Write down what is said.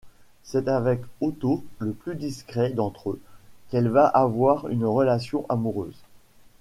C'est avec Otto, le plus discret d'entre eux, qu'elle va avoir une relation amoureuse.